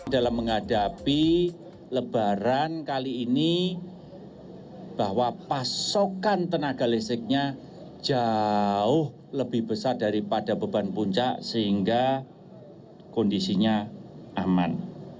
dalam menghadapi lebaran kali ini bahwa pasokan tenaga listriknya jauh lebih besar daripada beban puncak sehingga kondisinya aman